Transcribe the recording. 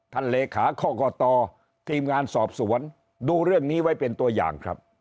เลขาข้อกตทีมงานสอบสวนดูเรื่องนี้ไว้เป็นตัวอย่างครับ